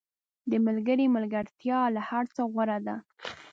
• د ملګري ملګرتیا له هر څه غوره ده.